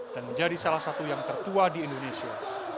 dan menjadi salah satu yang tertua di indonesia